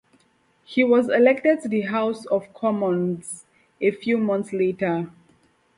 He was elected to the House of Commons a few months later.